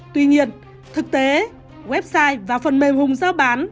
tuy nhiên thực tế website và phần mềm hùng giao bán